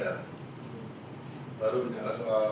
kami belum bicara soal keluar dpr